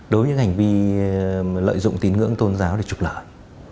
đối với những hành vi lợi dụng tín ngưỡng tôn giáo để trục lợi